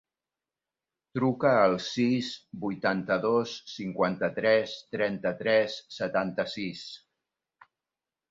Truca al sis, vuitanta-dos, cinquanta-tres, trenta-tres, setanta-sis.